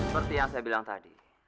seperti yang saya bilang tadi